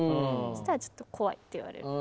したら「ちょっと怖い」って言われる。